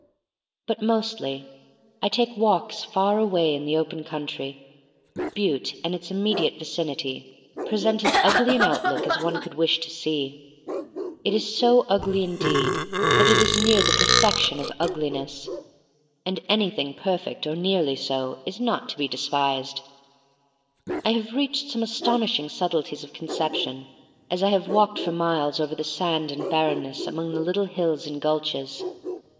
But mostly I take walks far away in the open country. Butte and its imme diate vicinity present as ugly an outlook as one could wish to see. It is so ugly indeed ' that jt is near the perfection of ugliness. And anything perfect, or nearly so, is not to be despised. I have reached some astonishing subtleties of conception as I have walked for miles over the sand and barrenness among the little hills and gulches.